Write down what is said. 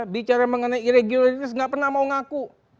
bicara mengenai regularitas nggak pernah mau ngaku